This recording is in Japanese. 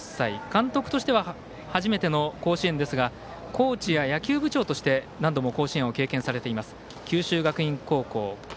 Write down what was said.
監督としては初めての甲子園ですがコーチや野球部長として何度も甲子園を経験されています。